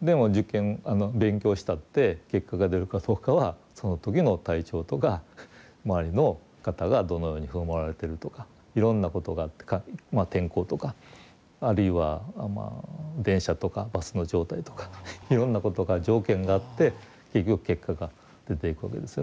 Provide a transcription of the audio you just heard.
でも受験勉強したって結果が出るかどうかはその時の体調とか周りの方がどのように振る舞われてるとかいろんなことがあってまあ天候とかあるいは電車とかバスの状態とかいろんなことが条件があって結局結果が出ていくわけですよね。